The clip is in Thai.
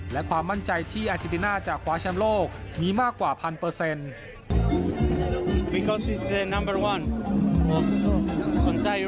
และความมั่นใจที่อาเจติน่าจะคว้าแชมป์โลกมีมากกว่าพันเปอร์เซ็นต์